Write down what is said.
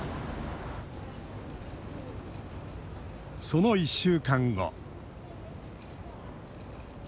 その１週間後。